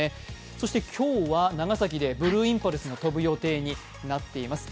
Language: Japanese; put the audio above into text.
そして今日は長崎でブルーインパルスも飛ぶ予定になっています。